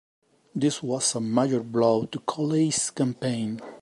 This was a major blow to Colley's campaign.